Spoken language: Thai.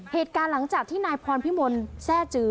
เหตุการณ์หลังจากที่นายพรพิมลแซ่จือ